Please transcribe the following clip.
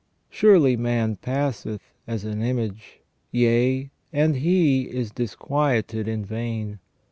Surely man passeth as an image ; yea, and he is disquieted in vain.